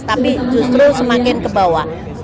tapi justru semakin ke bawah